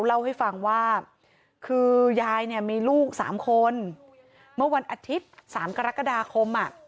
เล่าให้ฟังว่าคือยายเนี่ยมีลูก๓คนเมื่อวันอาทิตย์๓กรกฎาคม